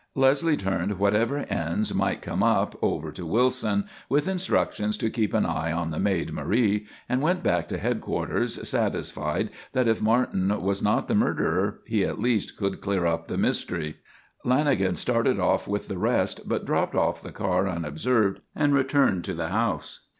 Leslie turned whatever ends might come up over to Wilson, with instructions to keep an eye on the maid, Marie, and went back to headquarters satisfied that if Martin was not the murderer he at least could clear up the mystery. Lanagan started back with the rest, but dropped off the car unobserved and returned to the house.